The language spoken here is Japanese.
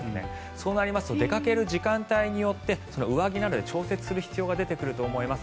そうなりますと出かける時間帯によって上着などで調節する必要が出てくると思います。